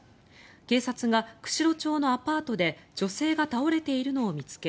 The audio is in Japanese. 警察が、釧路町のアパートで女性が倒れているのを見つけ